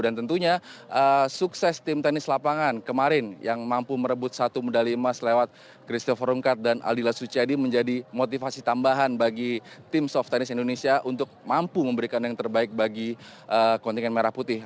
dan tentunya sukses tim tenis lapangan kemarin yang mampu merebut satu medali emas lewat christopher rumkat dan alila suchiadi menjadi motivasi tambahan bagi tim soft tennis indonesia untuk mampu memberikan yang terbaik bagi kontingen merah putih